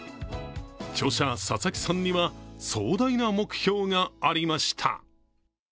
著者・佐々木さんには壮大な目標がありました。